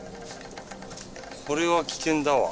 これは危険だわ。